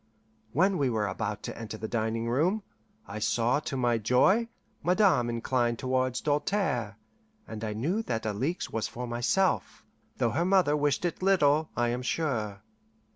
When we were about to enter the dining room, I saw, to my joy, Madame incline towards Doltaire, and I knew that Alixe was for myself though her mother wished it little, I am sure.